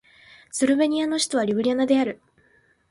スロベニアの首都はリュブリャナである